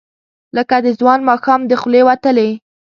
لکه د ځوان ماښام، د خولې وتلې،